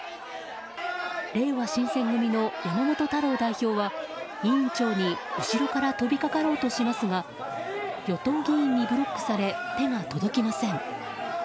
れいわ新選組の山本太郎代表は委員長に後ろから飛びかかろうとしますが与党議員にブロックされ手が届きません。